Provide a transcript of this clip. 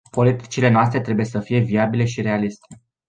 Politicile noastre trebuie să fie viabile și realiste.